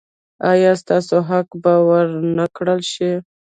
ایا ستاسو حق به ور نه کړل شي؟